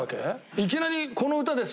いきなり「この歌です」